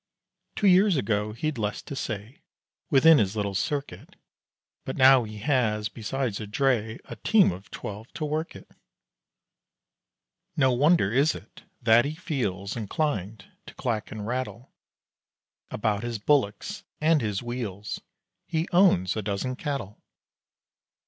Two years ago he'd less to say Within his little circuit; But now he has, besides a dray, A team of twelve to work it. No wonder is it that he feels Inclined to clack and rattle About his bullocks and his wheels He owns a dozen cattle.